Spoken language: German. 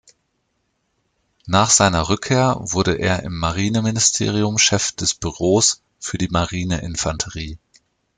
Nach seiner Rückkehr wurde er im Marineministerium Chef des Büros für die Marineinfanterie.